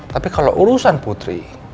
tapi kalo urusan putri